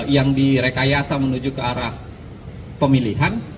yang direkayasa menuju ke arah pemilihan